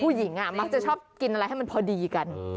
ผู้หญิงมักจะชอบกินอะไรให้มันพอดีกัน